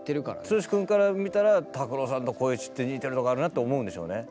剛くんから見たら拓郎さんと光一って似てるとこあるなと思うんでしょうね。